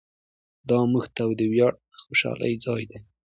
دا موږ ته د ویاړ او خوشحالۍ ځای دی.